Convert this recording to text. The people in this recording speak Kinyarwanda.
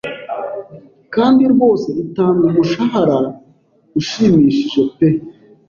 kandi rwose itanga umushahara ushimishije pe !